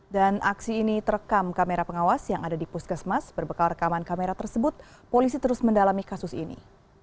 aksi ini terekam kamera pengawas yang ada di puskesmas berbekal rekaman kamera tersebut polisi terus mendalami kasus ini